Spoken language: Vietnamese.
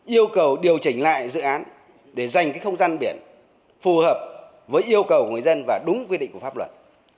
yêu cầu điều chỉnh lại dự án để dành không gian biển phù hợp với yêu cầu người dân và đúng quy định của pháp luật